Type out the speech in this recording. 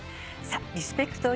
さあリスペクト！！